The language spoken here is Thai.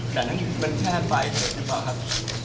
แต่นั่นมันแค่ปลายเกิดหรือเปล่าครับ